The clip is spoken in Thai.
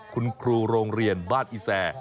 คุณครูโรงเรียนบ้านอีแซ